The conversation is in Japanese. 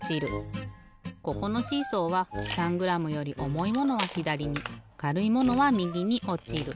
ここのシーソーは３グラムより重いものはひだりにかるいものはみぎにおちる。